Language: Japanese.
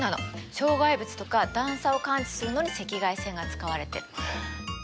障害物とか段差を感知するのに赤外線が使われているの。